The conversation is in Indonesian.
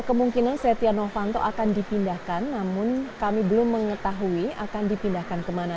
kemungkinan setia novanto akan dipindahkan namun kami belum mengetahui akan dipindahkan kemana